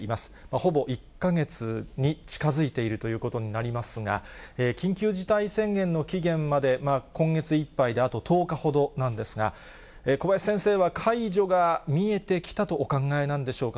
ほぼ１か月に近づいているということになりますが、緊急事態宣言の期限まで、今月いっぱいであと１０日ほどなんですが、小林先生は、解除が見えてきたとお考えなんでしょうか。